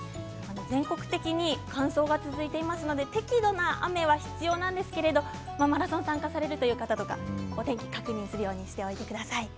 全国的に乾燥が続いていますので適度な雨が必要なんですけれどマラソンに参加されるという方お天気確認するようにしてください。